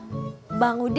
buat akrab juga senggara